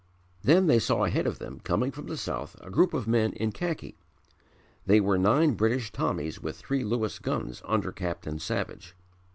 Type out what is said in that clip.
Then they saw ahead of them coming from the south a group of men in khaki. They were nine British Tommies with three Lewis guns under Captain Savage.